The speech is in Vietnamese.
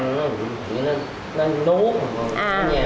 thì nó nuốt